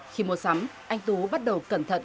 khi mua sắm anh tú bắt đầu cẩn thận